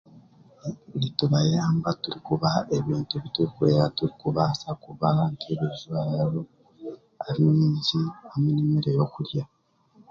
Nitubayamba turikubaha nk'ebintu ebiturikuba nitubaasa nk'ebijwaro, amaingi hamwe n'ebindi byokurya